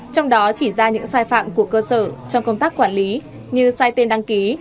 trong đó chỉ ra những sai phạm của cơ sở trong công tác quản lý như sai tên đăng ký